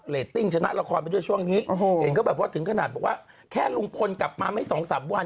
เรทติ้งชนะละครไปด้วยช่วงนี้เห็นก็แบบว่าถึงขนาดแค่ลุงพลกลับมาไม่๒๓วัน